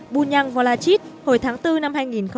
bù nhăng vo la chít hồi tháng bốn năm hai nghìn một mươi sáu